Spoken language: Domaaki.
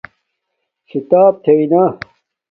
کھیتاپ تھݵنا